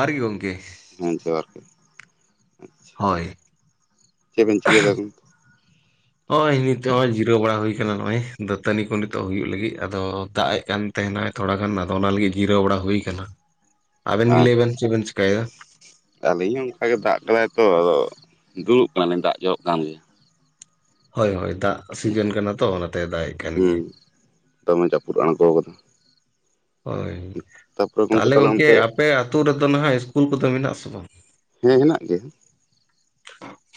ᱟᱨ ᱜᱮ ᱜᱚᱝᱠᱮ ᱦᱮᱸ ᱡᱚᱦᱟᱨ ᱜᱮ ᱟᱪᱪᱷᱟ ᱦᱳᱭ ᱪᱮᱫ ᱵᱮᱱ ᱪᱤᱠᱟᱹᱭᱫᱟ ᱟᱵᱮᱱ ᱦᱚᱭ ᱱᱤᱛᱚᱜ [inaudible] ᱡᱤᱨᱟᱹᱣ ᱵᱟᱲᱟ ᱦᱩᱭ ᱟᱠᱟᱱᱟ ᱱᱚᱜᱼᱚᱭ ᱫᱟᱹᱛᱟᱹᱱᱤ ᱠᱚ ᱱᱤᱛᱚᱜ ᱦᱩᱭᱩᱜ ᱞᱟᱹᱜᱤᱫ ᱟᱫᱚ ᱫᱟᱜ ᱮᱫ ᱠᱟᱱ ᱛᱮᱦᱮᱱ ᱫᱚ ᱦᱮ ᱛᱷᱚᱲᱟ ᱜᱟᱱ ᱟᱫᱚ ᱚᱱᱟ ᱞᱟᱹᱜᱤᱫ ᱡᱤᱨᱟᱹᱣ ᱵᱟᱲᱟ ᱦᱩᱭ ᱠᱟᱱᱟ᱾ [inaudible] ᱟᱵᱮᱱ ᱜᱮ ᱞᱟᱹᱭ ᱵᱮᱱ ᱪᱤᱫ ᱵᱤᱱ ᱪᱤᱠᱟᱭ ᱫᱟ? ᱟᱞᱤᱧ ᱦᱚᱸ ᱚᱝᱠᱟ ᱜᱮ ᱫᱟᱜ ᱠᱟᱫᱟᱭ ᱛᱚ ᱟᱫᱚ ᱫᱩᱲᱩᱵ ᱠᱟᱱᱟᱞᱤᱧ ᱫᱟᱜ ᱡᱚᱨᱚᱜ ᱠᱟᱱ ᱜᱮᱭᱟ ᱦᱳᱭ ᱦᱳᱭ ᱫᱟᱜ ᱚᱱᱟᱛᱮ ᱥᱤᱡᱮᱱ ᱠᱟᱱᱟ ᱛᱚ ᱚᱱᱟᱛᱮ ᱫᱟᱜ ᱮᱫ ᱠᱟᱱ ᱦᱩᱸ ᱜᱮᱭᱟ᱾ ᱫᱚᱢᱮ ᱡᱟᱯᱩᱫ ᱟᱬᱜᱚ ᱣᱟᱠᱟᱫ ᱦᱳᱭ ᱛᱟᱯᱚᱨᱮ ᱛᱟᱦᱞᱮ ᱛᱟᱦᱚᱞᱮ ᱜᱚᱝᱠᱮ ᱚᱱᱛᱮ ᱟᱯᱮ ᱟᱹᱛᱩ ᱨᱮᱫᱚ ᱱᱟᱜ ᱤᱥᱠᱩᱞ ᱠᱚᱫᱚ ᱢᱮᱱᱟᱜᱼᱟ ᱥᱮ ᱵᱟᱝ? ᱦᱮᱸ ᱦᱮᱱᱟᱜ ᱜᱮᱭᱟ ᱾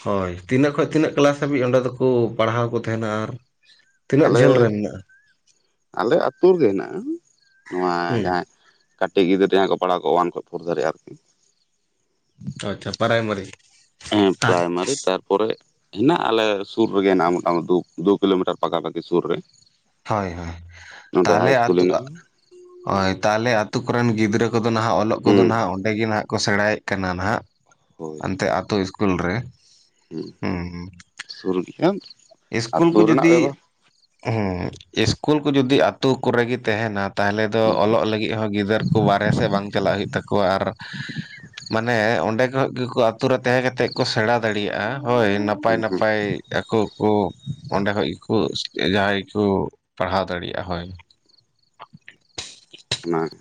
ᱦᱳᱭ ᱛᱤᱱᱟᱹᱜ ᱠᱷᱚᱡ ᱛᱤᱱᱟᱹᱜ ᱠᱞᱟᱥ ᱦᱟᱹᱵᱤᱡ ᱚᱸᱰᱮ ᱫᱚᱠᱚ ᱯᱟᱲᱦᱟᱣ ᱠᱚ ᱛᱟᱦᱮᱱᱟ ᱟᱨ ᱛᱤᱱᱟᱹᱜ ᱟᱞᱮ ᱡᱷᱟᱹᱞ ᱨᱮ ᱢᱮᱱᱟᱜᱼᱟ ᱟᱞᱮ ᱟᱹᱛᱩ ᱨᱮ ᱜᱮ ᱦᱮᱱᱟᱜᱼᱟ, ᱱᱚᱣᱟ ᱦᱩᱸ ᱡᱟᱦᱟᱸ ᱠᱟᱹᱴᱤᱡ ᱜᱤᱫᱽᱨᱟᱹ ᱡᱟᱦᱟᱸᱭ ᱠᱚ ᱯᱟᱲᱟᱣ ᱠᱚᱜ ᱣᱟᱱ ᱠᱷᱚᱱ ᱯᱷᱳᱨ ᱫᱷᱟᱹᱵᱤᱡ ᱟᱨᱠᱤ ᱟᱪᱷᱟ ᱯᱟᱨᱟᱭᱢᱟᱨᱤ ᱾ ᱦᱮᱸ ᱯᱨᱟᱭᱢᱟᱨᱤ ᱛᱟᱨ ᱯᱚᱨᱮ ᱦᱮᱱᱟᱜᱼᱟ ᱟᱞᱮ ᱥᱩᱨ ᱨᱮ ᱜᱮ ᱦᱮᱱᱟᱜᱼᱟ ᱢᱚᱴᱟᱢᱩᱴᱤ ᱫᱩ ᱫᱩ ᱠᱤᱞᱳᱢᱤᱴᱟᱨ ᱯᱟᱛᱟ ᱯᱟᱺᱰᱤ ᱥᱩᱨ ᱨᱮ ᱾ ᱦᱳᱭ ᱦᱳᱭ ᱾ ᱛᱟᱦᱚᱞᱮ ᱤᱥᱠᱩᱞ ᱟᱹᱛᱩ ᱟᱜ ᱦᱮᱱᱟᱜᱼᱟ ᱦᱳᱭ ᱛᱟᱦᱚᱞᱮ ᱟᱛᱩ ᱠᱚᱨᱮᱱ ᱜᱤᱫᱽᱨᱟᱹ ᱠᱚᱫᱚ ᱱᱟᱦᱜ ᱚᱞᱚᱜ ᱠᱚᱫᱚ ᱦᱩᱸ ᱱᱟᱦᱜ ᱚᱸᱰᱮ ᱜᱮ ᱱᱟᱦᱜ ᱠᱚ ᱥᱮᱬᱟᱭᱮᱫ ᱠᱟᱱᱟ ᱦᱟᱸᱜ ᱚᱱᱛᱮ ᱟᱛᱳ ᱤᱥᱠᱩᱞ ᱨᱮ ᱾ ᱦᱮᱸ ᱥᱩᱨ ᱜᱮ ᱦᱟᱸᱜ ᱟᱹᱛᱩ ᱨᱮᱱᱟᱜ ᱵᱮᱵᱚᱥᱷᱟ ᱦᱩᱸ ᱤᱥᱠᱩᱞ ᱠᱚ ᱡᱩᱫᱤ ᱟᱛᱳ ᱠᱚᱨᱮᱜᱮ ᱛᱟᱦᱮᱦᱱᱟ ᱛᱟᱦᱞᱮ ᱫᱚ ᱦᱩᱸ ᱚᱞᱚᱜ ᱞᱟᱹᱜᱤᱫ ᱦᱚᱸ ᱜᱤᱫᱟᱹᱨ, ᱵᱟᱨᱦᱮ ᱥᱮᱫ ᱵᱟᱝ ᱪᱟᱞᱟᱜ ᱦᱩᱭᱩᱜ ᱛᱟᱠᱚᱣᱟ ᱟᱨ ᱢᱟᱱᱮ ᱚᱸᱰᱮ ᱠᱷᱚᱡ ᱜᱮ ᱠᱚ ᱟᱛᱩ ᱨᱮ ᱛᱟᱦᱮᱸ ᱠᱟᱛᱮ ᱠᱚ ᱥᱮᱬᱟ ᱫᱟᱲᱮᱭᱟᱜᱼᱟ ᱦᱳᱭ ᱱᱟᱯᱟᱭ ᱦᱩᱸ ᱦᱩᱸ ᱱᱟᱯᱟᱭ ᱟᱠᱩ ᱠᱚ ᱚᱸᱰᱮ ᱠᱷᱚᱡ ᱜᱮ ᱠᱚ ᱡᱟᱦᱟᱸᱭ ᱜᱮ ᱠᱚ ᱯᱟᱲᱦᱟᱣ ᱫᱟᱲᱮᱭᱟᱜᱼᱟ ᱦᱳᱭ ᱾ ᱚᱱᱟ ᱜᱮ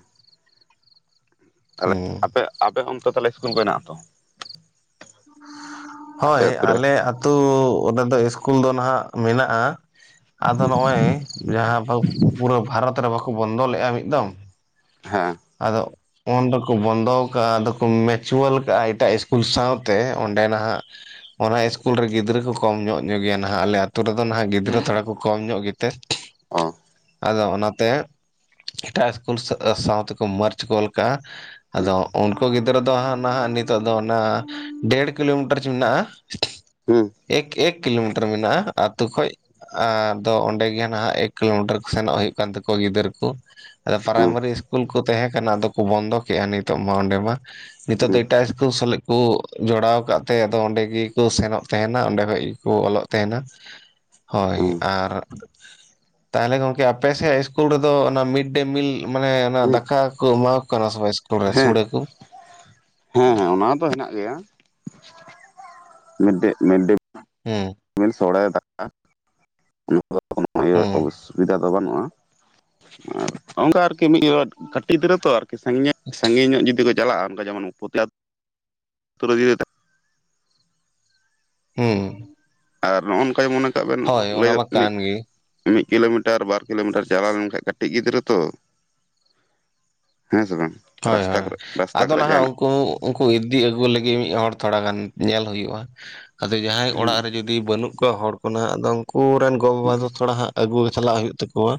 ᱛᱟᱦᱚᱞᱮ ᱦᱮᱸ ᱟᱯᱮ ᱟᱯᱮ ᱚᱱᱛᱮ ᱛᱟᱦᱞᱮ ᱤᱥᱠᱩᱞ ᱠᱚ ᱦᱮᱱᱟᱜ ᱟ ᱛᱚ? ᱟᱯᱮ ᱦᱳᱭ ᱟᱹᱛᱩ ᱨᱮ ᱟᱞᱮ ᱟᱹᱛᱩ ᱨᱮ ᱫᱚ ᱤᱥᱠᱩᱞ ᱫᱚ ᱱᱟᱜ ᱢᱮᱱᱟᱜᱼᱟ ᱾ ᱟᱫᱚ ᱱᱚᱜᱼᱚᱭ ᱡᱟᱦᱟᱸ ᱯᱩᱨᱟᱹ ᱵᱷᱟᱨᱚᱛ ᱨᱮ ᱵᱟᱠᱚ ᱵᱚᱱᱫᱚ ᱞᱮᱫᱼᱟ ᱢᱤᱫ ᱫᱚᱢ? ᱦᱮᱸ ᱾ ᱟᱫᱚ ᱩᱱ ᱫᱚᱠᱚ ᱵᱚᱱᱫᱚ ᱟᱠᱟᱜᱼᱟ ᱟᱫᱚ ᱠᱚ ᱢᱮᱪᱩᱣᱟᱞ ᱠᱟᱜᱼᱟ ᱮᱴᱟᱜ ᱤᱥᱠᱩᱞ ᱥᱟᱶᱛᱮ ᱚᱸᱰᱮ ᱱᱟᱦᱜ ᱾ ᱚᱱᱟ ᱤᱥᱠᱩᱞ ᱨᱮ ᱜᱤᱫᱽᱨᱟᱹ ᱠᱚ ᱠᱚᱢ ᱧᱚᱜ ᱧᱚᱜ ᱜᱮᱭᱟ ᱱᱟᱦᱜ ᱟᱞᱮ ᱟᱛᱩ ᱨᱮ ᱫᱚ ᱱᱟᱦᱜ ᱜᱤᱫᱽᱨᱟᱹ ᱛᱷᱚᱲᱟ ᱠᱚ ᱠᱚᱢ ᱧᱚᱜ ᱜᱮᱛᱮ ᱾ ᱚ ᱟᱫᱚ ᱚᱱᱟᱛᱮ ᱮᱴᱟᱜ ᱤᱥᱠᱩᱞ ᱥᱟᱶ ᱛᱮᱠᱚ ᱢᱟᱹᱨᱪ ᱠᱚᱞ ᱠᱟᱜᱼᱟ ᱾ ᱦᱩᱸ ᱟᱫᱚ ᱩᱱᱠᱩ ᱜᱤᱫᱽᱨᱟᱹ ᱫᱚ ᱱᱟᱦᱜ ᱱᱤᱛᱚᱜ ᱫᱚ ᱚᱱᱟ ᱰᱮᱲ ᱠᱤᱞᱳᱢᱤᱴᱟᱨ ᱢᱮᱱᱟᱜᱼᱟ ᱾ ᱦᱩᱸ ᱮᱠ ᱮᱠ ᱠᱤᱞᱳᱢᱤᱴᱟᱨ ᱢᱮᱱᱟᱜᱼᱟ ᱟᱹᱛᱩ ᱠᱷᱚᱡ ᱾ ᱟᱨᱫᱚ ᱚᱸᱰᱮ ᱜᱮ ᱱᱟᱦᱟᱜ ᱮᱠ ᱠᱤᱞᱳᱢᱤᱴᱟᱨ ᱠᱚ ᱥᱮᱱᱚᱜ ᱦᱩᱭᱩᱜ ᱠᱟᱱ ᱛᱟᱠᱚᱣᱟ ᱜᱤᱫᱽᱟᱹᱨᱟᱹ ᱠᱚ ᱾ ᱟᱫᱚ ᱦᱩᱸ ᱯᱨᱟᱭᱢᱟᱨᱤ ᱤᱥᱠᱩᱞ ᱠᱚ ᱛᱟᱦᱮᱸ ᱠᱟᱱᱟ ᱟᱫᱚ ᱠᱚ ᱵᱚᱱᱫᱚ ᱠᱮᱜᱼᱟ ᱱᱤᱛᱚᱜ ᱢᱟ ᱚᱸᱰᱮ ᱢᱟ ᱾ ᱱᱤᱛᱚᱜ ᱫᱚ ᱦᱩᱸ ᱮᱴᱟ ᱤᱥᱠᱩᱞ ᱥᱮᱞᱮᱫ ᱾ ᱠᱚ ᱡᱚᱲᱟᱣ ᱟᱠᱟᱫ ᱛᱮ ᱟᱫᱚ ᱚᱸᱰᱮ ᱜᱮ ᱠᱚ ᱥᱮᱱᱚᱜ ᱛᱟᱦᱮᱱᱟ ᱚᱸᱰᱮ ᱠᱷᱚᱡ ᱜᱮ ᱠᱚ ᱚᱞᱚᱜ ᱛᱟᱦᱮᱱᱟ ᱾ [inaudible] ᱦᱳᱭ ᱦᱩᱸ ᱟᱨ ᱛᱟᱦᱚᱞᱮ ᱜᱚᱝᱠᱮ ᱟᱯᱮ ᱥᱮᱜ ᱤᱥᱠᱩᱞ ᱨᱮᱫᱚ ᱚᱱᱟ ᱢᱤᱰ ᱰᱮ ᱢᱤᱞ ᱢᱟᱱᱮ ᱚᱱᱟ ᱦᱩᱸ ᱫᱟᱠᱟ ᱠᱚ ᱮᱢᱟ ᱠᱚ ᱠᱟᱱᱟ ᱥᱮ ᱵᱟᱝ? ᱨᱮ ᱦᱮᱸ ᱥᱩᱲᱟᱹ ᱠᱚ ᱾ ᱦᱮᱸ ᱦᱮᱸ ᱚᱱᱟ ᱫᱚ ᱦᱮᱱᱟᱜ ᱜᱮᱭᱟ ᱢᱤᱰ ᱰᱮ ᱢᱤᱰ ᱦᱮᱸ ᱾ ᱥᱚᱲᱮ ᱫᱟᱠᱟ ᱱᱚᱶᱟ ᱫᱚ ᱤᱭᱟᱹ ᱦᱩᱸ ᱚᱵᱚᱥᱳᱭ ᱾ ᱥᱩᱵᱤᱫᱟ ᱫᱚ ᱵᱟᱹᱱᱩᱜᱼᱟ ᱟᱨ ᱚᱱᱠᱟ ᱟᱨᱠᱤ ᱢᱤᱫ ᱠᱟᱹᱴᱤᱡ ᱜᱤᱫᱽᱨᱟᱹ ᱛᱚ ᱥᱟᱺᱜᱤᱧ ᱥᱟᱺᱜᱤᱧ ᱧᱚᱜ ᱡᱩᱫᱤ ᱠᱚ ᱪᱟᱞᱟᱜᱼᱟ ᱚᱱᱠᱟ ᱡᱮᱢᱚᱱ ᱯᱳᱛᱞᱟᱜ ᱟᱹᱛᱩ ᱨᱮ ᱾ ᱦᱩᱸ ᱦᱩᱸ ᱟᱨ ᱱᱚᱜᱼᱚ ᱱᱚᱝᱠ ᱢᱚᱱᱮ ᱠᱟᱜ ᱵᱮᱱ ᱞᱟᱹᱭ ᱚᱱᱟ ᱢᱟ ᱢᱤᱫ ᱠᱟᱱ ᱜᱮ ᱢᱤᱫ ᱠᱤᱞᱳᱢᱤᱴᱟᱨ ᱵᱟᱨ ᱠᱤᱞᱳᱢᱤᱴᱟᱨ ᱪᱟᱞᱟᱣ ᱞᱮᱱᱠᱟᱱᱡ ᱠᱟᱹᱴᱤᱡ ᱜᱤᱫᱽᱨᱟᱹ ᱛᱚ ᱾ ᱦᱮᱸ ᱥᱮ ᱵᱟᱝ? ᱦᱳᱭ ᱨᱟᱥᱛᱟ ᱦᱳᱭ ᱠᱚᱨᱮ ᱨᱟᱥᱛᱟ ᱟᱫᱚ ᱠᱚᱨᱮ ᱱᱟᱦᱜ ᱡᱟᱦᱟᱱᱟᱜ ᱩᱱᱠᱩ ᱩᱱᱠᱩ ᱤᱫᱤ ᱟᱹᱜᱩ ᱞᱟᱹᱜᱤᱫ ᱢᱤᱫ ᱦᱚᱲ ᱛᱷᱚᱲᱟ ᱜᱟᱱ ᱧᱮᱞ ᱦᱩᱭᱩᱜᱼᱟ ᱟᱫᱚ ᱡᱟᱦᱟᱸᱭ ᱚᱲᱟᱜ ᱨᱮ ᱡᱩᱫᱤ ᱵᱟᱹᱱᱩᱜ ᱠᱚᱣᱟ ᱦᱚᱲ ᱠᱚ ᱦᱟᱸᱜ ᱟᱫᱚ ᱩᱱᱠᱩ ᱨᱮᱱ ᱜᱚ ᱵᱟᱵᱟ ᱫᱚ ᱛᱷᱚᱲᱟ ᱦᱟᱸᱜ ᱟᱹᱜᱩ ᱪᱟᱞᱟᱜ ᱦᱩᱭᱩᱜ ᱛᱟᱠᱚ ᱾ ᱦᱚᱭ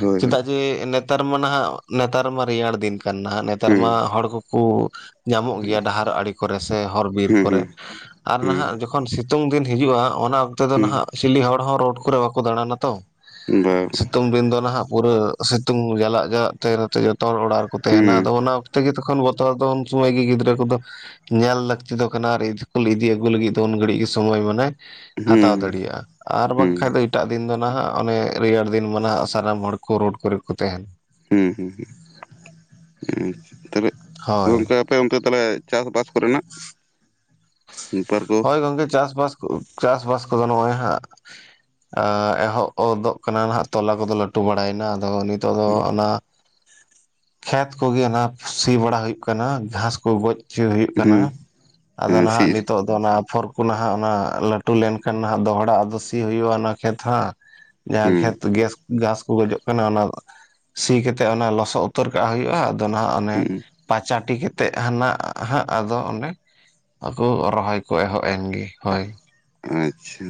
ᱦᱳᱭ ᱦᱳᱭ ᱪᱮᱫᱟᱜ ᱡᱮ ᱱᱮᱛᱟᱨ ᱢᱟ ᱱᱟᱦᱜ ᱱᱮᱛᱟᱨ ᱢᱟ ᱨᱮᱭᱟᱲ ᱫᱤᱱ ᱠᱟᱱ ᱱᱟᱦᱟᱜ ᱱᱮᱛᱟᱨ ᱦᱩᱸ ᱢᱟ ᱦᱚᱲ ᱠᱚ ᱠᱩ ᱧᱟᱢᱚᱜ ᱦᱩᱸ ᱜᱮᱭᱟ ᱰᱟᱦᱟᱨ ᱟᱲᱮ ᱠᱚᱨᱮ ᱥᱮ ᱦᱚᱨ ᱵᱤᱨ ᱠᱚᱨᱮ ᱦᱩᱸ ᱟᱨ ᱱᱟᱦᱟᱜ ᱡᱚ ᱡᱚᱠᱷᱚᱱ ᱥᱤᱛᱩᱝ ᱫᱤᱱ ᱦᱤᱡᱩᱜ-ᱟ᱾ ᱚᱱᱟ ᱚᱠᱛᱮ ᱫᱚ ᱱᱟᱦᱟᱜ ᱪᱤᱞᱤ ᱦᱚᱲ ᱦᱚᱸ ᱨᱳᱰ ᱠᱚᱨᱮ ᱵᱟᱠᱚ ᱫᱟᱬᱟᱱᱟ ᱛᱚ ᱵᱟᱝ ᱦᱩᱸ ᱵᱟ ᱥᱤᱛᱩᱝ ᱫᱤᱱ ᱫᱚ ᱱᱟᱦᱟᱜ ᱯᱩᱨᱟᱹ ᱥᱤᱛᱩᱝ ᱡᱟᱞᱟᱫ ᱡᱟᱞᱟᱫ ᱛᱮᱛᱮ ᱡᱚᱛᱚ ᱦᱚᱲ ᱚᱲᱟᱜ ᱨᱮ ᱦᱩᱸ ᱛᱟᱦᱮᱱᱟ ᱟᱫᱚ ᱚᱱᱟ ᱚᱠᱛᱮ ᱜᱮ ᱛᱚᱠᱷᱚᱱ ᱵᱚᱛᱚᱨ ᱫᱚ ᱩᱱ ᱥᱚᱢᱚᱭ ᱜᱮ ᱜᱤᱫᱽᱨᱟᱹ ᱠᱚᱫᱚ ᱠᱚ ᱧᱮᱞ ᱞᱟᱹᱠᱛᱤ ᱫᱚ ᱠᱟᱱᱟ ᱟᱨ ᱤᱫᱤ ᱟᱹᱜᱩ ᱞᱟᱹᱜᱤᱫ ᱫᱚ ᱩᱱ ᱜᱷᱟᱹᱲᱤᱡ ᱜᱮ ᱥᱚᱢᱚᱭ ᱢᱟᱱᱮ ᱦᱩᱸ ᱦᱟᱛᱟᱣ ᱫᱟᱲᱮᱭᱟᱜᱼᱟ᱾ ᱟᱨ ᱵᱟᱝᱠᱷᱟ ᱫᱚ ᱦᱩᱸ ᱮᱴᱟᱜ ᱫᱤᱱ ᱫᱚ ᱱᱟᱦᱟᱜ ᱚᱱᱮ ᱨᱮᱭᱟᱲ ᱫᱤᱱ ᱢᱟ ᱱᱟᱦᱟᱜ ᱥᱟᱱᱟᱢ ᱦᱚᱲ ᱠᱚ ᱨᱳᱰ ᱠᱚᱨᱮ ᱠᱚ ᱛᱟᱦᱮᱱᱟ ᱦᱩᱸ ᱦᱩᱸ ᱦᱩᱸ ᱩ ᱛᱟᱦᱚᱞᱮ ᱦᱳᱭ ᱜᱚᱝᱠᱮ ᱟᱯᱮ ᱚᱱᱛᱮ ᱛᱟᱦᱞᱮ ᱪᱟᱥᱵᱟᱥ ᱠᱚᱨᱮᱱᱟᱜ ᱵᱮᱯᱟᱨ ᱠᱚ ᱦᱳᱭ ᱜᱚᱢᱠᱮ ᱪᱟᱥᱼᱵᱟᱥ ᱪᱟᱥᱵᱟᱥ ᱠᱚᱫᱚ ᱱᱚᱜ-ᱚᱭ ᱦᱟᱸᱜ ᱟ ᱮᱦᱚᱵ ᱜᱚᱫᱚᱜ ᱠᱟᱱᱟ ᱱᱟᱜ ᱛᱚᱞᱟ ᱠᱚᱫᱚ ᱞᱟᱹᱴᱩ ᱵᱟᱲᱟᱭ ᱮᱱᱟ ᱟᱫᱚ ᱱᱤᱛᱳᱜ ᱫᱚ ᱚᱱᱟ ᱠᱷᱮᱛ ᱠᱚᱜᱮ ᱚᱱᱟ ᱥᱤ ᱵᱟᱲᱟ ᱦᱩᱭᱩᱜ ᱠᱟᱱᱟ ᱜᱷᱟᱸᱥ ᱠᱚ ᱜᱚᱡ ᱥᱤ ᱦᱩᱭᱩᱜ ᱠᱟᱱᱟ ᱦᱩᱸ ᱟᱫᱚ ᱦᱮᱸ ᱥᱤ ᱱᱟᱦᱟᱜ ᱱᱤᱛᱚᱜ ᱟᱫᱚ ᱚᱱᱟ ᱟᱯᱷᱚᱨ ᱠᱚ ᱱᱟᱦᱟᱜ ᱚᱱᱟ ᱞᱟᱹᱴᱩ ᱞᱮᱱᱠᱷᱟᱱ ᱱᱟᱦᱟᱜ ᱫᱚᱦᱲᱟ ᱟᱫᱚ ᱥᱤ ᱦᱩᱭᱩᱜᱼᱟ ᱚᱱᱟ ᱠᱷᱮᱛ ᱦᱟᱸᱜ ᱡᱟᱦᱟᱸ ᱦᱩᱸ ᱠᱷᱮᱛ ᱜᱮᱥ ᱜᱷᱟᱸᱥ ᱠᱚ ᱜᱚᱡᱚᱜ ᱠᱟᱱᱟ ᱚᱱᱟ ᱥᱤ ᱠᱟᱛᱮ ᱚᱱᱟ ᱞᱚᱥᱚᱫ ᱩᱛᱚᱨ ᱠᱟᱜ ᱦᱩᱭᱩᱜᱼᱟ ᱟᱫᱚ ᱱᱟᱦᱟᱜ ᱚᱱᱮ ᱦᱩᱸ ᱯᱟᱪᱟᱴᱤ ᱠᱟᱛᱮᱫ ᱦᱟᱱᱟ ᱦᱟᱸᱜ ᱟᱫᱚ ᱚᱱᱮ ᱟᱠᱚ ᱨᱚᱦᱚᱭ ᱠᱚ ᱮᱦᱚᱵ ᱮᱱ ᱜᱮ ᱦᱳᱭ ᱟᱪᱪᱷᱟ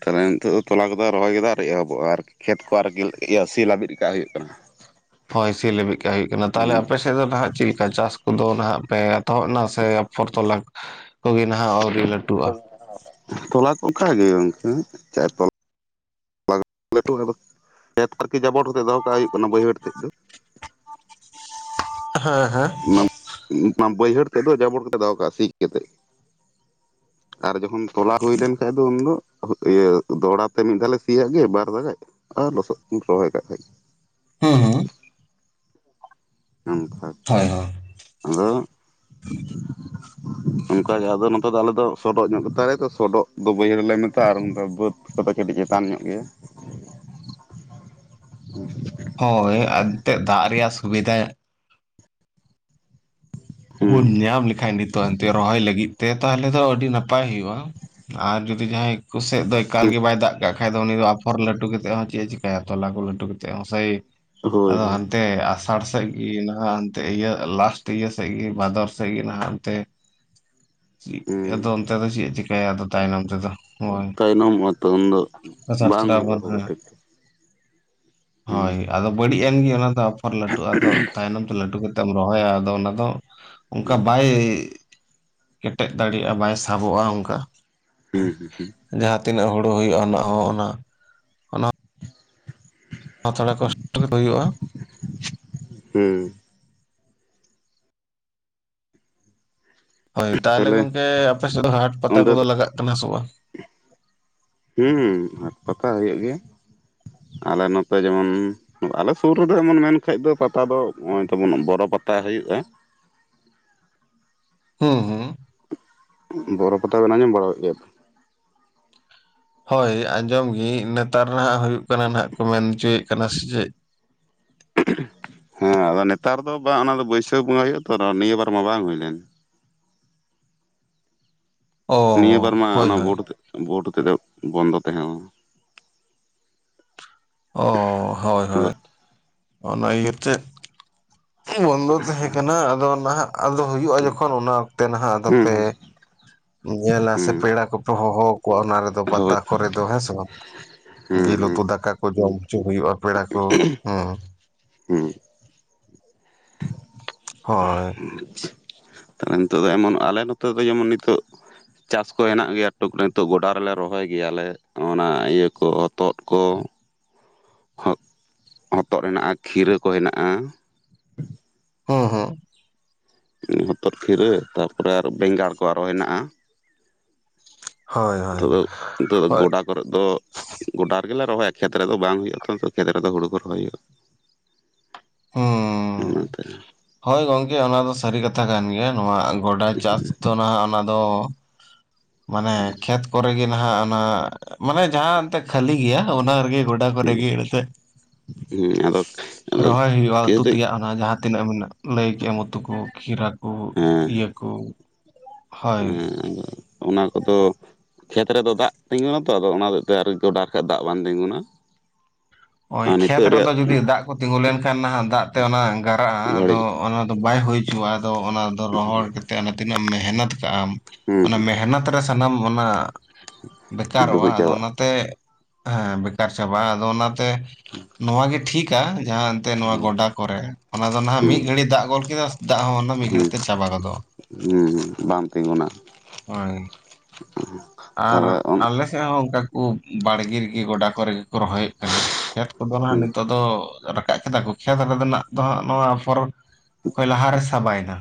ᱛᱟᱦᱞᱮ ᱱᱤᱛᱳ ᱫᱚ ᱛᱚᱞᱟ ᱠᱚᱫᱚ ᱨᱚᱦᱚᱭ ᱠᱚᱫᱚ ᱟᱨ ᱮᱦᱚᱵᱚᱜᱼᱟ ᱟᱨᱠᱤ ᱠᱷᱮᱛ ᱠᱚ ᱟᱨᱠᱤ ᱤᱭᱤᱹ ᱥᱤ ᱞᱟᱹᱵᱤᱫ ᱠᱟᱹ ᱦᱩᱭᱩᱜ ᱠᱟᱱᱟ ᱦᱳᱭ ᱥᱤ ᱞᱮᱵᱤᱫ ᱠᱟᱜ ᱦᱩᱭᱩᱜ ᱠᱟᱱᱟ ᱛᱟᱦᱚᱞᱮ ᱦᱩᱸ ᱟᱯᱮ ᱟᱱᱛᱮ ᱫᱚ ᱱᱟᱦᱱᱟᱜ ᱪᱮᱞᱮᱠᱟ ᱪᱟᱥ ᱠᱚᱫᱚ ᱱᱟᱦᱟᱜ ᱯᱮ ᱮᱛᱚᱦᱚᱵ ᱱᱟ ᱥᱮ ᱟᱯᱷᱚᱨ ᱛᱚᱞᱟ ᱠᱚᱜᱮ ᱱᱟᱦᱟᱜ ᱟᱣᱹᱨᱤ ᱞᱟᱹᱴᱩᱜᱼᱟ᱾ ᱛᱚᱞᱟ ᱠᱚ ᱚᱠ ᱜᱮ ᱜᱚᱝᱠᱮ ᱪᱟᱭ ᱛᱚᱞᱟ? ᱞᱟᱜ ᱞᱟᱹᱴᱩᱼᱟ ᱟᱫᱚ ᱱᱮᱛ ᱟᱨᱠᱤ [unintelligible] ᱡᱟᱵᱚᱨᱛᱮᱫ ᱫᱚᱦᱚ ᱠᱟᱜ ᱦᱩᱭᱩᱜ ᱠᱟᱱᱟ ᱵᱟᱹᱭᱦᱟᱹᱲ ᱛᱮᱫ ᱫᱚ ᱦᱮᱸ ᱦᱮᱸ ᱚᱱᱟ [unintelligible] ᱵᱟᱹᱭᱦᱟᱹᱲ ᱛᱮᱫ ᱫᱚ ᱡᱟᱵᱚᱰ ᱠᱟᱛᱮᱜ ᱫᱚᱦᱚ ᱠᱟᱜᱼᱟ ᱥᱤ ᱠᱟᱛᱮᱜ ᱟᱨ ᱡᱚᱠᱷᱚᱱ ᱛᱚᱞᱟ ᱦᱩᱭ ᱞᱮᱱ ᱛᱟᱦᱮ ᱩᱱᱫᱚ ᱤᱭᱟᱹ ᱫᱚᱲᱦᱟ ᱛᱮ ᱢᱤᱫ ᱫᱷᱟᱣ ᱞᱮ ᱥᱤ ᱟᱜ ᱜᱮ ᱵᱟᱨ ᱫᱷᱟᱣ ᱜᱟᱱ, ᱟᱨ ᱞᱚᱥᱚᱫ ᱨᱚᱦᱚᱭ ᱠᱟᱜ ᱠᱷᱟᱡ ᱦᱩᱢ ᱦᱩᱢ ᱱᱚᱝᱠᱟ ᱦᱳᱭ ᱦᱳᱭ, [unintelligible] ᱚᱱᱠᱟ ᱜᱮ ᱟᱫᱚ ᱱᱚᱛᱮ ᱫᱚ ᱟᱞᱮ ᱫᱚ ᱥᱚᱰᱚᱜ ᱧᱚᱜ ᱜᱟᱛᱟᱞᱮ ᱛᱚ ᱥᱚᱰᱚᱜ ᱫᱚ ᱵᱟᱹᱭᱦᱟᱹᱲ ᱨᱮᱞᱮ ᱢᱮᱛᱟᱜᱼᱟ᱾ ᱟᱨ ᱚᱱᱠᱟ ᱫᱚ ᱵᱟᱹᱫᱽ ᱛᱚᱵᱮ ᱠᱟᱹᱴᱤᱡ ᱪᱮᱛᱟᱱ ᱧᱚᱜ ᱜᱮᱭᱟ᱾ ᱦᱳᱭ ᱮᱱᱛᱮᱫ ᱫᱟᱜ ᱨᱮᱭᱟᱜ ᱥᱩᱵᱤᱫᱷᱟ ᱵᱚᱱ ᱦᱮᱸ ᱧᱟᱢ ᱞᱮᱠᱷᱟᱡ ᱱᱤᱛ ᱛᱟ ᱮᱱᱛᱮ ᱨᱚᱦᱚᱭ ᱞᱟᱹᱜᱤᱫ ᱛᱮ ᱛᱟᱦᱚᱞᱮ ᱫᱚ ᱟᱰᱤ ᱱᱟᱯᱟᱭ ᱦᱩᱭᱩᱜ-ᱟ᱾ ᱟᱨ ᱡᱩᱫᱤ ᱡᱟᱦᱟᱸᱭ ᱠᱚᱥᱮᱫ ᱫᱚ ᱮᱠᱟᱞ ᱜᱮ ᱵᱟᱭ ᱫᱟᱜ ᱠᱟᱜ ᱠᱷᱟᱡ ᱫᱚ ᱩᱱᱤ ᱫᱚ ᱟᱯᱷᱚᱨ ᱞᱟᱹᱴᱩ ᱠᱟᱛᱮᱫ ᱦᱚᱸ ᱪᱮᱫ ᱮ ᱪᱮᱠᱟᱭᱟ ᱛᱚᱞᱟ ᱠᱚ ᱞᱟᱹᱴᱩ ᱠᱟᱛᱮᱫ ᱦᱚᱸ ᱥᱮᱭ ᱦᱳᱭ ᱟᱫᱚ ᱦᱳᱭ ᱦᱟᱱ ᱛᱮ ᱟᱥᱟᱲ ᱥᱮᱫ ᱜᱮ ᱤᱭᱟᱹ ᱱᱟᱦᱟᱜ ᱮᱱᱛᱮ ᱤᱭᱟᱹ ᱞᱟᱥᱴ ᱤᱭᱟᱹ ᱵᱷᱟᱫᱚᱨ ᱥᱮᱜᱮ ᱱᱟᱦᱟᱜ ᱟᱫᱟ ᱦᱮᱸ [unintelligible] ᱱᱚᱛᱮ ᱫᱚ ᱪᱮᱫ ᱪᱤᱠᱟᱭᱟ ᱫᱚ ᱛᱟᱭᱱᱚᱢ ᱛᱮ ᱫᱚ᱾ ᱛᱟᱭᱱᱚᱢᱚᱜᱼᱟ ᱛᱚ ᱩᱱ ᱫᱚ ᱟᱥᱟᱲ ᱵᱟᱝ ᱦᱳᱭᱳᱜᱼᱟ ᱥᱨᱟᱵᱚᱱ ᱦᱳᱲᱳ ᱦᱮᱸ ᱴᱷᱤᱠ ᱦᱮᱸ ᱦᱳᱭ ᱟᱫᱚ ᱵᱟᱹᱲᱤᱡ ᱮᱱ ᱜᱮ ᱚᱱᱟ ᱫᱚ ᱟᱯᱷᱚᱨ ᱞᱟᱹᱴᱩᱜ-ᱟ᱾ ᱟᱫᱚ ᱛᱟᱭᱚᱢᱱᱚᱢ ᱛᱮ ᱞᱟᱹᱴᱩ ᱠᱟᱛᱮᱢ ᱨᱚᱦᱚᱭᱟ ᱟᱫᱚ ᱚᱱᱟ ᱫᱚ᱾ ᱚᱱᱠᱟ ᱦᱮᱸ ᱵᱟᱭ ᱠᱮᱴᱮᱡ ᱫᱟᱲᱮᱭᱟᱜ-ᱟ᱾ ᱵᱟᱭ ᱥᱟᱵᱚᱜ-ᱟ ᱚᱱᱠᱟ᱾ ᱦᱮᱸ ᱦᱮᱸ ᱡᱟᱦᱟᱸᱛᱤᱱᱟᱹᱜ ᱦᱩᱲᱩ ᱦᱩᱭᱩᱜ-ᱟ ᱚᱱᱟ ᱦᱚᱸ ᱚᱱᱟ ᱚᱱᱟ ᱛᱷᱚᱲᱟ ᱠᱚᱥᱴᱚ ᱜᱮᱛᱚ ᱦᱩᱭᱩᱜᱼᱟ᱾ [unintelligible] ᱦᱩᱸ ᱦᱳᱭ ᱛᱟᱦᱚᱞᱮ ᱛᱟᱦᱞᱮ ᱜᱚᱝᱠᱮ ᱟᱯᱮ ᱥᱮᱫ ᱫᱚ ᱦᱟᱴ ᱯᱟᱛᱟ ᱚᱸᱰᱮ ᱠᱚᱫᱚ ᱞᱟᱜᱟᱜ ᱠᱟᱱᱟ ᱥᱮ ᱵᱟᱝ?. ᱦᱩᱸ ᱦᱟᱴᱯᱟᱛᱟ ᱦᱩᱭᱩᱜ ᱜᱮᱭᱟ ᱟᱞᱮ ᱱᱚᱛᱮ ᱡᱮᱢᱚᱱ ᱟᱞᱮ ᱥᱩᱨ ᱨᱮᱫᱚ ᱮᱢᱚᱱ ᱢᱮᱱᱠᱷᱟᱡ ᱫᱚ ᱯᱟᱛᱟ ᱫᱚ ᱱᱚᱜ-ᱚᱭ ᱛᱟᱵᱚᱱ ᱵᱚᱨᱚ ᱯᱟᱛᱟ ᱦᱩᱭᱩᱜᱼᱟ ᱦᱩᱸ ᱦᱩᱸ ᱵᱚᱨᱚ ᱯᱟᱛᱟ ᱵᱮᱱ ᱟᱸᱡᱚᱢ ᱵᱟᱲᱟ ᱠᱟᱫ ᱜᱮᱭᱟ ᱦᱳᱭ ᱟᱸᱡᱚᱢ ᱜᱤᱭᱟᱹᱧ ᱱᱮᱛᱟᱨ ᱱᱟᱜ ᱦᱩᱭᱩᱜ ᱠᱟᱱᱟ ᱱᱟᱦᱟᱜ ᱠᱚ ᱢᱮᱱ ᱦᱚᱪᱚᱭᱮᱫ ᱠᱟᱱᱟ ᱥᱮ ᱪᱮᱫ ᱦᱮᱸ ᱟᱫᱚ ᱱᱮᱛᱟᱨ ᱫᱚ ᱵᱟ ᱚᱱᱟ ᱫᱚ ᱵᱟᱹᱭᱥᱟᱹᱠᱷ ᱵᱚᱸᱜᱟ ᱦᱩᱭᱩᱜ-ᱟ ᱛᱚ ᱱᱤᱭᱟᱹ ᱵᱟᱨ ᱢᱟ ᱵᱟᱝ ᱦᱩᱭ ᱞᱮᱱ ᱚ ᱱᱤᱭᱟᱹ ᱵᱟᱨ ᱢᱟ ᱦᱳᱭ ᱚᱱᱟ ᱦᱳᱭ ᱵᱷᱳᱴ ᱦᱚᱛᱮᱛᱮ ᱵᱷᱳᱴ ᱦᱚᱛᱮᱛᱮ ᱵᱚᱱᱫᱚ ᱛᱟᱦᱮᱸ ᱞᱮᱱᱟ ᱚ ᱦᱚᱭ ᱟᱫᱚ ᱦᱚᱭ ᱚᱱᱟ ᱤᱭᱟᱹ ᱛᱮᱫ ᱵᱚᱱᱫᱚ ᱛᱟᱦᱮᱸ ᱠᱟᱱᱟ ᱟᱫᱚ ᱱᱟᱦᱟᱜ ᱟᱫᱚ ᱦᱩᱭᱩᱜᱼᱟ ᱡᱚᱠᱷᱚᱱ ᱚᱱᱟ ᱚᱠᱛᱮ ᱱᱟᱦᱟᱜ ᱦᱩᱸ ᱟᱫᱚᱯᱮ ᱧᱮᱞᱟ ᱥᱮ ᱯᱮᱲᱟ ᱦᱩᱸ ᱠᱚᱯᱮ ᱦᱚᱦᱚ ᱣᱟᱠᱚᱣᱟ ᱚᱱᱟ ᱨᱮᱫᱚ ᱯᱟᱛᱟ ᱦᱳᱭ ᱠᱚᱨᱮ ᱫᱚ ᱦᱮᱸᱥᱮ ᱵᱟᱝ ᱦᱩᱸ ᱡᱤᱞ ᱦᱩᱸ ᱩᱛᱩ ᱫᱟᱠᱟ ᱠᱚ ᱡᱚᱢ ᱦᱚᱪᱚ ᱦᱩᱭᱩᱜᱼᱟ ᱯᱮᱲᱟ ᱠᱚ ᱦᱩᱸ ᱦᱩᱸ ᱦᱚᱭ ᱱᱤᱛᱚᱜ ᱫᱚ ᱮᱢᱚᱱ ᱟᱞᱮ ᱱᱚᱛᱮ ᱫᱚ ᱡᱮᱢᱚᱱ ᱱᱤᱛᱚᱜ ᱪᱟᱥᱠᱚ ᱦᱮᱱᱟᱜ ᱜᱮᱭᱟ ᱴᱩᱠ ᱨᱮ ᱜᱚᱰᱟ ᱨᱮᱞᱮ ᱨᱚᱦᱚᱭ ᱜᱮᱭᱟᱞᱮ ᱚᱱᱟ ᱤᱭᱟᱹ ᱠᱚ ᱦᱚᱛᱚᱫ ᱠᱚ ᱦᱚ ᱦᱚᱛᱚᱫ ᱦᱮᱱᱟᱜᱼᱟ ᱠᱷᱤᱨᱟᱹ ᱠᱚ ᱦᱮᱱᱟᱜᱼᱟ ᱦᱩᱸ ᱦᱩᱸ ᱦᱚᱛᱚᱫ ᱠᱷᱤᱨᱟᱹ ᱛᱟᱨᱯᱚᱨᱮ ᱟᱨ ᱵᱮᱸᱜᱟᱲ ᱠᱚ ᱟᱨᱚ ᱦᱮᱱᱟᱜᱼᱟ ᱦᱳᱭ ᱦᱳᱭ ᱱᱤᱛᱳᱜ ᱫᱚ, ᱱᱤᱛᱳᱜ ᱫᱚ‌ ᱦᱳᱭ ᱜᱚᱰᱟ ᱠᱚᱨᱮᱫ ᱫᱚ ᱜᱚᱰᱟ ᱨᱮᱜᱮ ᱞᱮ ᱨᱚᱦᱚᱭᱟ ᱠᱷᱮᱛ ᱨᱮᱫᱚ ᱵᱟᱝ ᱦᱩᱭᱩᱜᱼᱟ ᱛᱚ ᱱᱤᱛᱚᱜ ᱠᱷᱮᱛ ᱨᱮᱫᱚ ᱦᱩᱲᱩ ᱠᱚ ᱨᱚᱦᱚᱭ ᱦᱩᱭᱩᱜᱼᱟ ᱦᱩᱸ ᱚᱱᱟᱛᱮ ᱦᱳᱭ ᱜᱚᱝᱠᱮ ᱚᱱᱟ ᱫᱚ ᱥᱟᱹᱨᱤ ᱠᱟᱛᱷᱟ ᱠᱟᱱ ᱜᱮᱭᱟ ᱱᱚᱣᱟ ᱜᱚᱰᱟ ᱪᱟᱥ ᱛᱚ ᱱᱟᱦᱟᱜ ᱚᱱᱟ ᱫᱚ ᱢᱟᱱᱮ ᱠᱷᱮᱛ ᱠᱚᱨᱮᱜᱮ ᱱᱟᱦᱟᱜ ᱚᱱᱟ ᱢᱟᱱᱮ ᱡᱟᱦᱟᱸ ᱮᱱᱛᱮ ᱠᱷᱟᱹᱞᱤ ᱜᱮᱭᱟ ᱚᱱᱟ ᱨᱮᱜᱮ ᱜᱚᱰᱟ ᱠᱚᱨᱮ ᱜᱮ ᱮᱱᱛᱮᱫ ᱦᱮᱸ ᱟᱫᱚ ᱟᱫᱚ ᱨᱚᱦᱚᱭ ᱦᱩᱭᱩᱜᱼᱟ ᱩᱛᱩ ᱠᱤᱱᱛᱩ ᱛᱮᱭᱟᱜ ᱚᱱᱟ ᱡᱟᱦᱟᱸ ᱛᱤᱱᱟᱹᱜ ᱢᱮᱱᱟᱜ ᱞᱟᱹᱭ ᱠᱮᱫ-ᱟᱢ ᱩᱛᱩ ᱠᱚ ᱠᱷᱤᱨᱟ ᱠᱚ ᱦᱮᱸ ᱤᱭᱟᱹ ᱠᱚ ᱦᱳᱭ ᱦᱮᱸ ᱟᱫᱚ ᱚᱱᱟ ᱠᱚᱫᱚ ᱠᱷᱮᱛ ᱨᱮᱫᱚ ᱫᱟᱜ ᱛᱤᱸᱜᱩᱱᱟᱛᱚ ᱟᱫᱚ ᱚᱱᱟ ᱦᱚᱛᱮᱡᱛᱮ ᱟᱨ ᱜᱚᱰᱟ ᱠᱷᱟᱡ ᱫᱟᱜ ᱵᱟᱝ ᱛᱤᱸᱜᱩᱱᱟ ᱳᱭ ᱟᱨ ᱠᱷᱮᱛ ᱱᱤᱛᱚᱜ ᱨᱮᱫᱚ ᱨᱮᱭᱟᱜ ᱡᱩᱫᱤ ᱫᱟᱜ ᱠᱚ ᱛᱤᱸᱜᱩ ᱞᱮᱱᱠᱷᱟᱱ ᱱᱟᱦᱟᱜ ᱫᱟᱜ ᱛᱮ ᱚᱱᱟ ᱜᱟᱨᱟᱜ-ᱟ ᱟᱫᱚ ᱵᱟᱹᱲᱤᱡ ᱚᱱᱟ ᱫᱚ ᱵᱟᱭ ᱦᱩᱭ ᱦᱤᱡᱩᱜ-ᱟ ᱟᱫᱚ ᱚᱱᱟᱫᱚ ᱨᱚᱦᱚᱲ ᱠᱟᱛ ᱛᱤᱱᱟᱹᱜ ᱮᱢ ᱢᱮᱦᱱᱚᱛ ᱠᱟᱜᱼᱟᱢ ᱦᱩᱸ ᱚᱱᱟ ᱦᱩᱸ ᱢᱮᱦᱱᱚᱛ ᱨᱮ ᱥᱟᱱᱟᱢ ᱚᱱᱟ ᱵᱮᱠᱟᱨᱚᱜᱼᱟ ᱰᱩᱵᱩᱡ ᱟᱫᱚ ᱪᱟᱵᱟᱜᱼᱟ ᱚᱱᱟᱛᱮ ᱦᱮᱸ ᱵᱮᱠᱟᱨ ᱪᱟᱵᱟᱜᱼᱟ ᱟᱫᱚ ᱚᱱᱟᱛᱮ ᱱᱚᱣᱟ ᱜᱮ ᱴᱷᱤᱠᱟ ᱡᱟᱦᱟᱸ ᱮᱱᱛᱮ ᱱᱚᱣᱟ ᱦᱩᱸ ᱜᱚᱰᱟ ᱠᱚᱨᱮ ᱚᱱᱟ ᱫᱚ ᱱᱟᱦᱟᱜ ᱢᱤᱫ ᱜᱷᱟᱹᱲᱤ ᱦᱩᱸ ᱫᱟᱜ ᱜᱚᱞ ᱠᱮᱫᱟ ᱥᱮ ᱫᱟᱜ ᱦᱚᱸ ᱚᱱᱟ ᱢᱤᱫ ᱜᱷᱟᱹᱲᱤ ᱛᱮ ᱪᱟᱵᱟ ᱜᱚᱫᱚᱜᱼᱟ ᱦᱩᱸ ᱦᱩᱸ ᱵᱟᱝ ᱛᱤᱸᱜᱩᱱᱟ ᱦᱳᱭ ᱟᱨ ᱛᱟᱦᱚᱞᱮ ᱚᱱ ᱟᱞᱮᱥᱮᱫ ᱦᱚᱸ ᱚᱝᱠᱟ ᱠᱩ ᱵᱟᱲᱜᱮ ᱨᱮᱜᱮ ᱜᱚᱰᱟ ᱠᱚᱨᱮ ᱜᱮᱠᱚ ᱨᱚᱦᱚ ᱠᱟᱱᱟ, ᱠᱷᱮᱛ ᱠᱚᱫᱚ ᱦᱟᱸᱜ ᱦᱩᱸ ᱱᱤᱛᱚᱜ ᱫᱚ ᱨᱟᱠᱟᱵ ᱠᱮᱫᱟ ᱠᱚ ᱠᱷᱮᱛ ᱨᱮᱫᱟ ᱱᱟᱜ ᱫᱚ ᱦᱟᱸᱜ ᱱᱚᱣᱟ ᱯᱚᱨᱚ ᱚᱠᱚᱭ ᱞᱟᱦᱟᱨᱮ ᱥᱟᱵᱟᱭᱱᱟ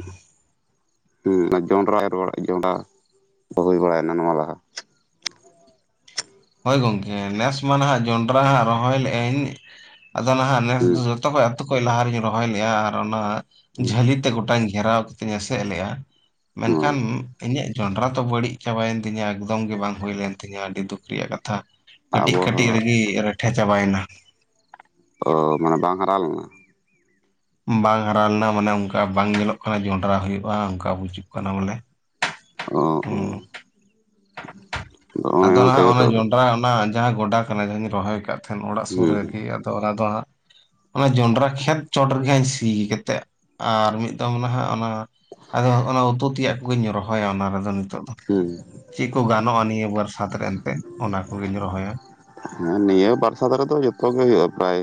ᱦᱩᱸ ᱟᱨ ᱡᱚᱸᱰᱨᱟ ᱮᱨ ᱵᱟᱲᱟᱜ ᱡᱚᱸᱰᱨᱟ ᱠᱟᱢᱤ ᱵᱟᱲᱟᱭᱱᱟ ᱱᱚᱣᱟ ᱞᱟᱦᱟ ᱦᱳᱭ ᱜᱚᱝᱠᱮ ᱱᱮᱥ ᱢᱟ ᱱᱟᱦᱟᱜ ᱡᱚᱸᱱᱰᱨᱟ ᱦᱟᱸᱜ ᱨᱚᱦᱚᱭ ᱞᱮ ᱟᱹᱧ ᱟᱫᱚ ᱱᱟᱦᱟᱜ ᱱᱮᱥ ᱦᱩᱸ ᱫᱚ ᱠᱷᱚᱡ ᱟᱹᱛᱩ ᱠᱷᱚᱡ ᱞᱟᱦᱟᱨ ᱨᱤᱧ ᱨᱚᱦᱚᱭ ᱞᱮᱜᱼᱟ ᱟᱨ ᱚᱱᱟ ᱦᱩᱸ ᱡᱷᱟᱹᱞᱤ ᱛᱮ ᱜᱚᱴᱟᱧ ᱜᱷᱮᱨᱟᱣ ᱠᱟᱛᱮᱧ ᱮᱥᱮᱫ ᱞᱮᱜᱼᱟ ᱢᱮᱱᱠᱷᱟᱱ ᱚ ᱤᱧᱟᱹᱜ ᱡᱚᱸᱰᱨᱟ ᱛᱚ ᱵᱟᱹᱲᱤᱡ ᱪᱟᱵᱟᱭᱮᱱ ᱛᱤᱧᱟᱹ ᱮᱠᱫᱚᱢ ᱜᱮ ᱵᱟᱝ ᱦᱩᱭ ᱞᱮᱱ ᱛᱤᱧᱟ ᱟᱹᱰᱤ ᱫᱩᱠ ᱨᱮᱭᱟᱜ ᱠᱟᱛᱷᱟ ᱠᱟᱹᱴᱤᱡ ᱠᱟᱹᱴᱤᱡ ᱟᱵᱚᱦᱟᱣᱟ ᱨᱮᱜᱤ ᱨᱮᱴᱷᱮ ᱪᱟᱵᱟᱭᱮᱱᱟ ᱚ ᱢᱟᱱᱮ ᱵᱟᱝ ᱦᱟᱨᱟ ᱞᱮᱱᱟ ᱵᱟᱝ ᱦᱟᱨᱟ ᱞᱮᱱᱟ ᱢᱟᱱᱮ ᱚᱝᱠᱟ ᱵᱟᱝ ᱧᱮᱞᱚᱜ ᱠᱟᱱᱟ ᱡᱚᱸᱱᱰᱨᱟ ᱦᱩᱭᱩᱜᱼᱟ ᱚᱝᱠᱟ ᱵᱩᱡᱩᱜ ᱠᱟᱱᱟ ᱵᱚᱞᱮ ᱚ ᱚ ᱦᱩᱸ ᱚᱱᱮ ᱟᱫᱚ ᱱᱟᱦᱟᱜ ᱛᱮᱜᱮ ᱚᱱᱟ ᱛᱚ ᱡᱚᱸᱱᱰᱨᱟ ᱚᱱᱟ ᱡᱟᱦᱟᱸ ᱜᱚᱰᱟ ᱠᱟᱱᱟ ᱡᱟᱦᱟᱸᱧ ᱨᱚᱦᱚᱭ ᱠᱟᱫ ᱛᱟᱦᱮᱱ ᱚᱲᱟᱜ ᱥᱩᱨ ᱦᱩᱸ ᱨᱮᱜᱤ ᱟᱫᱚ ᱚᱱᱟ ᱫᱚ ᱦᱟᱸᱜ ᱚᱱᱟ ᱡᱚᱸᱰᱨᱟ ᱠᱷᱮᱛ ᱪᱚᱴ ᱨᱮᱜᱮ ᱥᱤ ᱠᱮᱛᱮᱫ ᱟᱨ ᱢᱤᱫ ᱫᱚᱷᱟᱣ ᱱᱟᱦᱟ ᱚᱱᱟ ᱟᱫᱚᱜ ᱚᱱᱟ ᱩᱛᱩ ᱛᱮᱭᱟᱜ ᱠᱚᱜᱤᱧ ᱨᱚᱦᱚᱭᱟ ᱚᱱᱟ ᱨᱮᱫᱚ ᱱᱤᱛᱳᱜ ᱫᱚ ᱦᱩᱸ ᱪᱮᱫ ᱠᱚ ᱜᱟᱱᱚᱜᱼᱟ ᱱᱤᱭᱟᱹ ᱵᱚᱨᱥᱟᱛ ᱨᱮ ᱮᱱᱛᱮᱫ ᱚᱱᱟ ᱠᱚᱜᱤᱧ ᱨᱚᱦᱚᱭᱟ ᱦᱮᱸ ᱱᱤᱭᱟᱹ ᱵᱟᱨᱥᱟᱫ ᱨᱮᱫᱚ ᱡᱚᱛᱚ ᱜᱮ ᱦᱩᱭᱩᱜ-ᱟ ᱯᱨᱟᱭ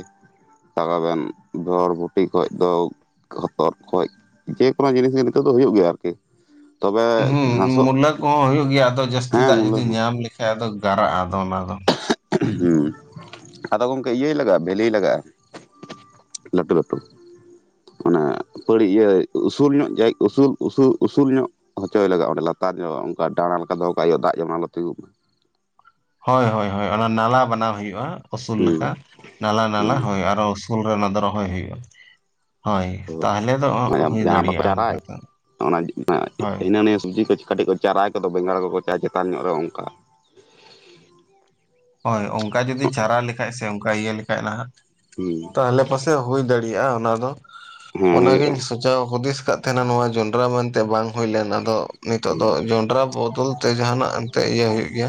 ᱛᱟᱲᱟᱵᱮᱱ ᱵᱚᱨᱵᱩᱴᱤ ᱠᱷᱚᱡ ᱫᱚ ᱦᱚᱛᱚᱫ ᱠᱷᱚᱡ ᱡᱮᱠᱳᱱᱳ ᱡᱤᱱᱤᱥ ᱜᱮ ᱱᱤᱛᱚᱜ ᱫᱚ ᱦᱩᱭᱩᱜ ᱜᱮᱭᱟ ᱟᱨᱠᱤ ᱛᱚᱵᱮ ᱦᱩᱸ ᱦᱩᱸ ᱦᱩᱸ ᱜᱷᱟᱥᱚᱜ ᱢᱩᱞᱟᱹ ᱠᱚᱦᱚᱸ ᱦᱩᱭᱩᱜ ᱜᱮᱭᱟ ᱟᱫᱚ ᱡᱟᱹᱥᱛᱤ ᱦᱮᱸ ᱫᱟᱜ ᱢᱩᱞᱟᱹ ᱡᱩᱫᱤ ᱦᱚᱸ ᱧᱟᱢ ᱞᱮᱠᱷᱟᱡ ᱟᱫᱚ ᱜᱟᱨᱟᱜ-ᱟ ᱟᱫᱚ ᱚᱱᱟ ᱫᱚ ᱦᱩᱸ ᱟᱫᱚ ᱜᱚᱢᱠᱮ ᱤᱭᱟᱹᱭ ᱞᱟᱜᱟᱜ-ᱟ ᱵᱷᱮᱸᱞᱤ ᱞᱟᱜᱟᱜ-ᱟ ᱞᱟᱹᱴᱩ ᱞᱟᱹᱴᱩ ᱚᱱᱟ ᱯᱟᱹᱲᱤ ᱤᱭᱟᱹ ᱩᱥᱩᱞ ᱧᱚᱜ ᱡᱟᱭ ᱩᱥᱩᱞ ᱩᱥᱩᱞ ᱩᱥᱩᱞ ᱧᱚᱜ ᱦᱚᱪᱚᱭ ᱞᱟᱜᱟᱜ-ᱟ ᱚᱸᱰᱮ ᱞᱟᱛᱟᱨ ᱧᱚᱜ ᱚᱝᱠᱟ ᱰᱟᱸᱬᱟ ᱞᱮᱠᱟ ᱫᱚᱦᱚ ᱠᱟᱜ ᱦᱩᱭᱩᱜ-ᱟ ᱫᱟᱜ ᱡᱮᱢᱚᱱ ᱟᱞᱩ ᱛᱤᱸᱜᱩᱜ ᱢᱟ ᱦᱳᱭ ᱦᱳᱭ ᱚᱱᱟ ᱱᱟᱞᱟ ᱵᱟᱱᱟᱣ ᱦᱩᱭᱩᱜᱼᱟ ᱩᱥᱩᱞ ᱦᱩᱸ ᱞᱮᱠᱟ ᱱᱟᱞᱟ ᱱᱟᱞᱟ ᱦᱳᱭ ᱟᱨᱚ ᱥᱩᱨ ᱨᱮᱱᱟᱜ ᱫᱚ ᱨᱚᱦᱚᱭ ᱦᱩᱭᱩᱜᱼᱟ ᱦᱳᱭ ᱛᱟᱦᱞᱮ ᱫᱚ ᱦᱩᱸ ᱦᱩᱭ ᱡᱟᱦᱟᱸ ᱵᱟᱠᱚ ᱫᱟᱲᱮᱭᱟᱜᱼᱟ ᱚᱝᱠᱟ ᱪᱟᱨᱟᱭ ᱫᱚ ᱚᱱᱟ ᱦᱳᱭ ᱦᱤᱱᱟᱹᱱᱤᱭᱟᱹ ᱥᱚᱵᱡᱤ ᱠᱚ ᱠᱟᱹᱴᱤᱡ ᱠᱚ ᱪᱟᱨᱟ ᱠᱚᱫᱚ ᱵᱮᱸᱜᱟᱲ ᱠᱚᱠᱚ ᱪᱟ ᱪᱮᱛᱟᱱ ᱧᱚᱜ ᱨᱮ ᱚᱝᱠᱟ ᱦᱳᱭ ᱚᱝᱠᱟ ᱡᱩᱫᱤ ᱪᱟᱨᱟ ᱞᱮᱠᱷᱟᱡ ᱥᱮ ᱚᱝᱠᱟ ᱤᱭᱟᱹ ᱞᱮᱠᱷᱟᱡ ᱱᱟᱦᱟᱜ ᱦᱩᱸ ᱟᱞᱮ ᱯᱟᱥᱮ ᱦᱩᱭ ᱫᱟᱲᱮᱭᱟᱜᱼᱟ ᱚᱱᱟ ᱫᱚ ᱦᱮᱸ ᱦᱩᱭᱩᱜᱼᱟ ᱚᱱᱟᱜᱤᱧ ᱡᱟᱣ ᱦᱩᱫᱤᱥ ᱠᱟᱜ ᱛᱟᱦᱮᱱᱟ ᱱᱚᱣᱟ ᱡᱚᱱᱰᱨᱟ ᱢᱮᱱᱛᱮ ᱵᱟᱝ ᱦᱩᱭ ᱞᱮᱱ ᱟᱫᱚ ᱱᱤᱛᱚᱜ ᱫᱚ ᱡᱚᱸᱰᱨᱟ ᱵᱚᱫᱚᱞ ᱛᱮ ᱡᱟᱦᱟᱱᱟᱜ ᱮᱱᱛᱮ ᱤᱭᱟᱹ ᱦᱳᱭᱳᱜ ᱜᱮᱭᱟ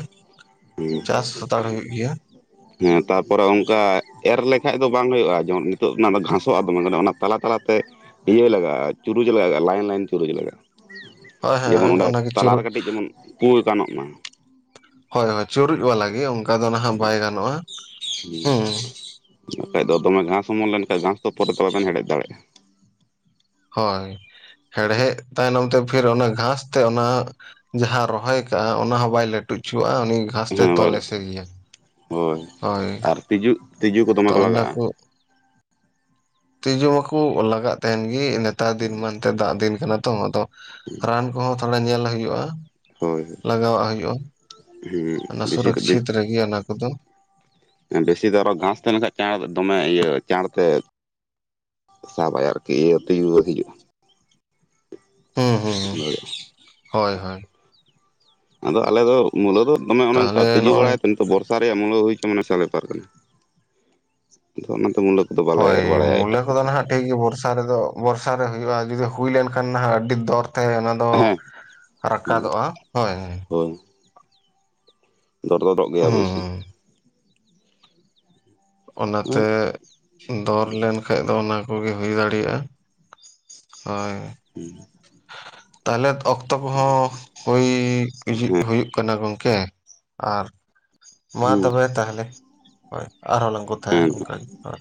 ᱦᱩᱸ ᱟᱨ ᱦᱩᱭᱩᱜ ᱜᱮᱭᱟ ᱦᱮᱸ ᱛᱟᱨᱯᱚᱨᱮ ᱚᱱᱠᱟ ᱮᱨ ᱞᱮᱠᱷᱟᱡ ᱫᱚ ᱵᱟᱝ ᱦᱩᱭᱩᱜ-ᱟ ᱡᱮᱢᱚᱱ ᱱᱤᱛᱚᱜ ᱚᱱᱟ ᱫᱚ ᱜᱷᱟᱥᱚᱜ-ᱟ ᱫᱚᱢᱮ ᱚᱱᱟ ᱛᱟᱞᱟ ᱛᱟᱞᱟᱛᱮ ᱤᱭᱟᱹ ᱞᱟᱜᱟᱜᱼᱟ ᱪᱩᱨᱩᱪ ᱞᱟᱜᱟᱜᱼᱟ ᱞᱟᱭᱤᱱ ᱞᱟᱭᱤᱱ ᱪᱩᱨᱩᱡ ᱞᱟᱜᱟᱜᱼᱟ ᱦᱳᱭ ᱡᱮᱢᱚᱱ ᱦᱳᱭ ᱚᱸᱰᱮ ᱚᱱᱟᱜᱮ ᱛᱟᱞᱟ ᱨᱮ ᱪᱩᱨᱩᱡ ᱠᱟᱹᱴᱤᱡ ᱡᱮᱢᱚᱱ ᱯᱩ ᱜᱟᱱᱚᱜ ᱢᱟ ᱦᱳᱭ ᱦᱳᱭ ᱪᱩᱨᱩᱡ ᱵᱟᱞᱟ ᱜᱮ ᱚᱝᱠᱟ ᱫᱚ ᱱᱟᱦᱟᱜ ᱵᱟᱭ ᱜᱟᱱᱚᱜᱼᱟ ᱦᱩᱸ ᱦᱩᱸ ᱵᱟᱠᱷᱟᱡ ᱫᱚ ᱫᱚᱢᱮ ᱜᱷᱟᱸᱥ ᱚᱢᱚᱱ ᱞᱮᱱᱠᱷᱟᱡ ᱜᱷᱟᱸᱥ ᱫᱚ ᱯᱚᱨᱮ ᱛᱮ ᱵᱟᱵᱮᱱ ᱦᱮᱲᱦᱮᱫ ᱫᱟᱲᱮᱜ-ᱟ ᱦᱳᱭ ᱦᱮᱲᱦᱮᱫ ᱛᱟᱭᱱᱚᱢ ᱛᱮ ᱯᱷᱤᱨ ᱚᱱᱟ ᱜᱷᱟᱸᱥ ᱛᱮ ᱚᱱᱟ ᱡᱟᱦᱟᱸ ᱨᱚᱦᱚᱭ ᱠᱟᱜᱼᱟ ᱚᱱᱟ ᱦᱚᱸ ᱵᱟᱭ ᱞᱟᱹᱴᱩᱡ ᱦᱚᱪᱚᱣᱟᱜᱼᱟ ᱩᱱᱤ ᱜᱷᱟᱸ ᱛᱮ ᱦᱮᱸ ᱛᱚᱞ ᱵᱚᱞᱮ ᱮᱥᱮᱫᱭᱟᱭ ᱦᱳᱭ ᱟᱨ ᱛᱤᱡᱩ ᱛᱤᱡᱩ ᱠᱚ ᱫᱚᱢᱮ ᱛᱚ ᱚᱱᱱᱟ ᱞᱟᱜᱟᱜᱼᱟ ᱠᱚ ᱛᱤᱡᱩ ᱢᱟᱠᱚ ᱞᱟᱜᱟᱜ ᱛᱟᱦᱮᱱ ᱜᱮ ᱱᱮᱛᱟᱨ ᱫᱤᱱ ᱢᱟ ᱮᱱᱛᱮ ᱫᱟᱜ ᱫᱤᱱ ᱠᱟᱱᱟ ᱛᱚ ᱟᱫᱚ ᱨᱟᱱ ᱦᱚᱸ ᱛᱷᱚᱲᱟ ᱧᱮᱞ ᱦᱩᱭᱩᱜᱼᱟ ᱦᱳᱭ ᱞᱟᱜᱟᱣᱟᱜ ᱦᱩᱭᱩᱜᱼᱟ ᱦᱮᱸ ᱚᱱᱟ ᱵᱮᱥᱤ ᱫᱚ ᱵᱮᱥ ᱥᱩᱨᱚᱠᱪᱷᱤᱛ ᱨᱮᱜᱮ ᱤᱭᱟᱹ ᱚᱱᱟ ᱠᱚᱫᱚ ᱵᱮᱥᱤ ᱫᱚ ᱟᱨᱚ ᱜᱷᱟᱸᱥ ᱛᱟᱦᱮᱸ ᱞᱮᱱ ᱠᱷᱟᱱ ᱪᱟᱬ ᱫᱚᱢᱮ ᱤᱭᱟᱹ ᱪᱟᱬ ᱛᱮ ᱥᱟᱵᱟᱭ ᱟᱨᱠᱤ ᱤᱭᱟᱹ ᱛᱤᱡᱩ‌ ᱨᱳᱜᱽ ᱦᱤᱡᱩᱜᱼᱟ ᱦᱩᱸ ᱦᱩᱸ ᱦᱩᱸ ᱫᱟᱲᱮᱭᱟᱜ-ᱟ, ᱦᱳᱭ ᱦᱳᱭ ᱟᱫᱚ ᱟᱞᱮ ᱫᱚ ᱢᱩᱞᱟᱹ ᱫᱚ ᱫᱚᱢᱮ ᱚᱱᱮ ᱚᱱᱠᱟ ᱛᱟᱦᱚᱞᱮ ᱛᱤᱡᱩ ᱱᱚᱜᱼᱚᱭ ᱵᱟᱲᱟᱭᱟᱛᱮ ᱱᱤᱛᱚᱜ ᱵᱚᱨ ᱵᱚᱨᱥᱟ ᱨᱮᱭᱟᱜ ᱢᱩᱞᱟᱹ ᱦᱩᱭ [unintelligible] ᱢᱟᱱᱮ ᱵᱤᱥᱟᱞ ᱵᱮᱯᱟᱨ ᱠᱟᱱᱟ ᱚᱱᱟᱛᱮ ᱢᱩᱞᱟᱹ ᱾ ᱟᱫᱚ ᱵᱟᱞᱮ ᱦᱳᱭ ᱮᱨ ᱵᱟᱲᱟᱭᱟ ᱢᱩᱞᱟᱹ ᱮᱴᱟᱜ ᱠᱚᱫᱚ ᱠᱤᱪᱷᱩ ᱱᱟᱦᱟᱜ ᱴᱷᱤᱠ ᱜᱮ ᱵᱚᱨᱥᱟ ᱨᱮᱫᱚ ᱵᱚᱨᱥᱟ ᱨᱮ ᱦᱩᱭᱩᱜᱼᱟ ᱡᱩᱫᱤ ᱦᱩᱭ ᱞᱮᱱ ᱠᱷᱟᱱ ᱱᱟᱦᱟᱜ ᱟᱹᱰᱤ ᱫᱚᱨᱛᱮ ᱚᱱᱟ ᱫᱚ ᱦᱮᱸ ᱨᱟᱠᱟᱫᱚᱜᱼᱟ ᱦᱮᱸ ᱦᱳᱭ ᱫᱚᱨ ᱜᱚᱫᱚᱜ ᱜᱮᱭᱟ ᱚᱵᱳᱭᱥᱳ ᱦᱩᱸ ᱚᱱᱟᱛᱮ ᱦᱮᱸ ᱫᱚᱨ ᱞᱮᱱᱠᱷᱟᱡ ᱫᱚ ᱚᱱᱟ ᱠᱚᱜᱮ ᱦᱩᱭ ᱫᱟᱲᱮᱭᱟᱜᱼᱟ ᱦᱳᱭ ᱦᱩᱸ ᱛᱟᱦᱞᱮ ᱚᱠᱛᱚ ᱠᱚᱦᱚᱸ ᱦᱩᱭ ᱤᱡᱤᱜ ᱦᱩᱭᱩᱜ ᱠᱟᱱᱟ ᱜᱚᱝᱠᱮ ᱟᱨ ᱢᱟ ᱦᱮᱸ ᱛᱚᱵᱮ ᱛᱟᱦᱞᱮ ᱦᱳᱭ ᱟᱨᱦᱚᱸ ᱞᱟᱝ ᱠᱚᱛᱷᱟᱭᱟ ᱚᱱᱠᱟᱜᱮ ᱦᱳᱭ